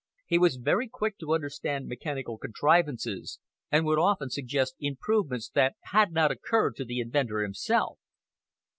He was very quick to understand mechanical contrivances, and would often suggest improvements that had not occurred to the inventor himself.